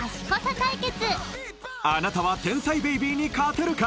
対決あなたは天才ベイビーに勝てるか？